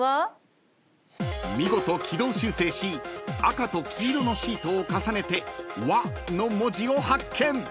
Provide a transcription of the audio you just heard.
［見事軌道修正し赤と黄色のシートを重ねて「ワ」の文字を発見］